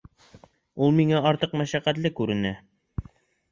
Ул миңә артыҡ мәшәҡәтле күренә.